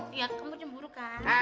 ya kamu cemburu kan